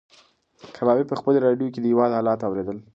کبابي په خپلې راډیو کې د هېواد حالات اورېدل.